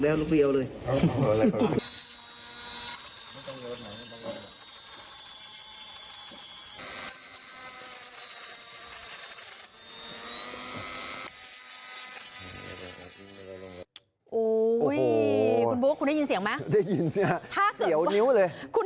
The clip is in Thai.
ได้ยินเสียงเสียวนิ้วเลย